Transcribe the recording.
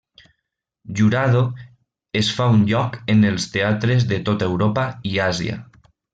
Jurado es fa un lloc en els teatres de tota Europa i Àsia.